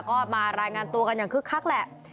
ก็มารายงานตัวกันอย่างคึกคักแหละ